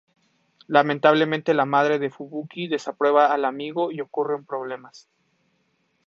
Lamentablemente la madre de Fubuki desaprueba al amigo y ocurren problemas.